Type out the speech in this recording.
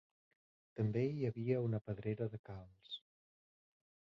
També hi havia una pedrera de calç.